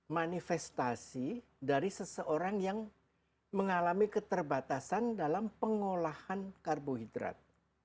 manifestasi dari seseorang yang mengalami keterbatasan dalam pengolahan karbohidrat